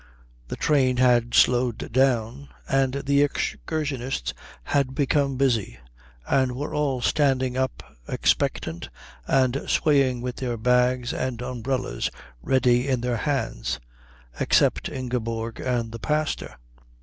The train had slowed down, and the excursionists had become busy and were all standing up expectant and swaying with their bags and umbrellas ready in their hands, except Ingeborg and the pastor.